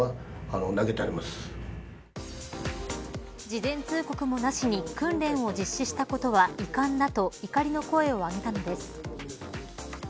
事前通告もなしに訓練を実施したことは遺憾だと怒りの声を上げたのです。